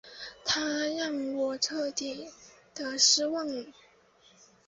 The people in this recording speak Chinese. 他让我彻底的失望